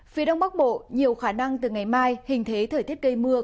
phía đông bắc bộ nhiều khả năng từ ngày mai hình thế thời tiết gây mưa